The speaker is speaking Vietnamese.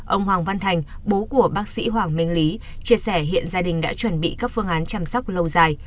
ông hoàng văn thành bố của bác sĩ hoàng minh lý chia sẻ hiện gia đình đã chuẩn bị các phương án chăm sóc lâu dài